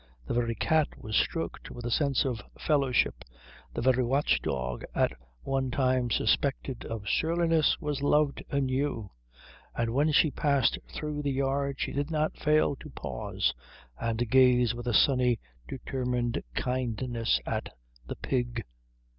The very cat was stroked with a fresh sense of fellowship, the very watchdog, at one time suspected of surliness, was loved anew; and when she passed through the yard she did not fail to pause and gaze with a sunny determined kindness at the pig.